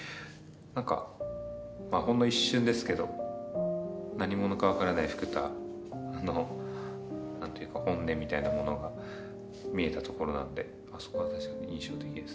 何かほんの一瞬ですけど何者か分からない福多の本音みたいなものが見えたところなんであそこは確かに印象的ですね。